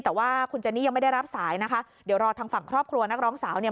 แต่ว่าคุณเจนนี่ยังไม่ได้รับสายนะคะเดี๋ยวรอทางฝั่งครอบครัวนักร้องสาวเนี่ย